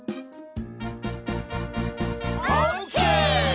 オーケー！